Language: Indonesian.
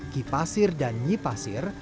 kipasir dan nyipasir